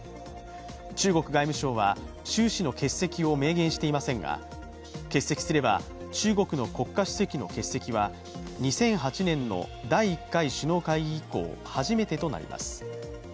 中国外務省は習氏の欠席を明言していませんが欠席すれば中国の国家主席の欠席は２００８年の第１回首脳会議以降、初めてとなります。